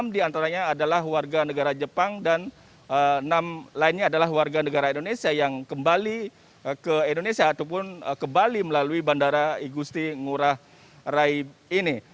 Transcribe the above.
enam diantaranya adalah warga negara jepang dan enam lainnya adalah warga negara indonesia yang kembali ke indonesia ataupun kembali melalui bandara igusti ngurah rai ini